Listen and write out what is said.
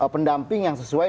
pendamping yang sesuai